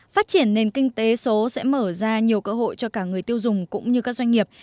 phát triển nền kinh tế số sẽ mở ra nhiều cơ hội cho cả người tiêu dùng cũng như các doanh nghiệp